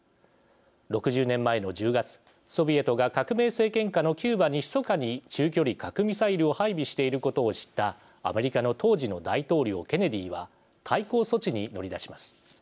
６０年前の１０月ソビエトが革命政権下のキューバにひそかに中距離核ミサイルを配備していることを知ったアメリカの当時の大統領ケネディは対抗措置に乗り出します。